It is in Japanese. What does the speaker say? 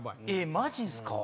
マジっすか？